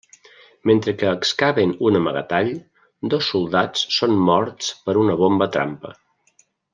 Mentre que excaven un amagatall, dos soldats són morts per una bomba trampa.